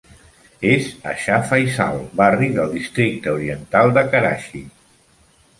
És a Shah Faisal, barri del districte oriental de Karachi.